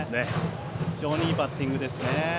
非常にいいバッティングですね。